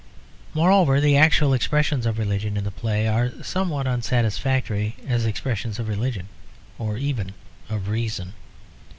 Moreover, the actual expressions of religion in the play are somewhat unsatisfactory as expressions of religion or even of reason.